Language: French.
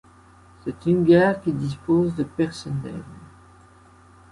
C'est une gare qui dispose de personnel.